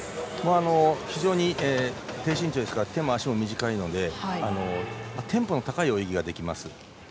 非常に低身長ですから手も足も短いので、テンポの高い泳ぎができます。